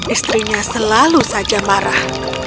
istrinya selalu saja marah